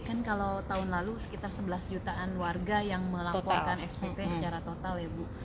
kan kalau tahun lalu sekitar sebelas jutaan warga yang melaporkan spp secara total ya bu